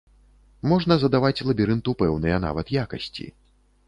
Можна задаваць лабірынту пэўныя нават якасці.